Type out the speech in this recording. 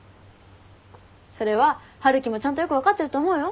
それは春樹もちゃんとよく分かってると思うよ。